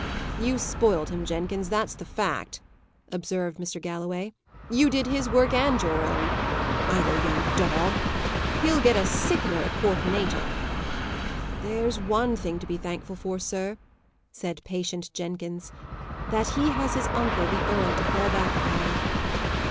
"You spoilt him, Jenkins; that's the fact," observed Mr. Galloway. "You did his work and your own. Idle young dog! He'll get a sickener at Port Natal." "There's one thing to be thankful for, sir," said patient Jenkins, "that he has his uncle, the earl, to fall back upon."